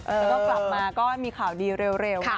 แล้วก็กลับมาก็ให้มีข่าวดีเร็วนะคะ